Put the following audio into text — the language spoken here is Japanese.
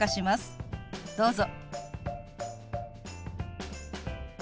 どうぞ。